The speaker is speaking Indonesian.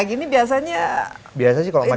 ini biasanya di rumah ya